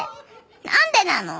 何でなの？